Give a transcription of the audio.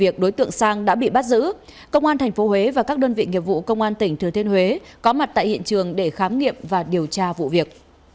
công an tp huế và các đơn vị nghiệp vụ công an tỉnh thừa thiên huế có mặt tại hiện trường để khám nghiệm và điều tra vụ việc